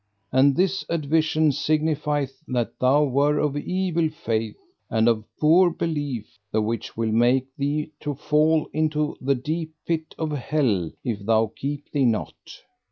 And this advision signifieth that thou were of evil faith and of poor belief, the which will make thee to fall into the deep pit of hell if thou keep thee not.